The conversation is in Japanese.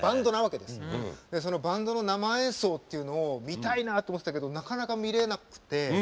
そのバンドの生演奏というのを見たいなって思ってたけどなかなか見れなくて。